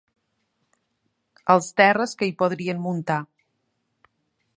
Els terres que hi podrien muntar.